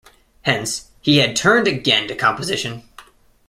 Hence he had turned again to composition.